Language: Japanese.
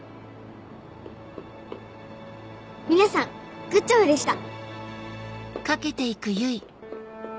皆さんグッジョブでした。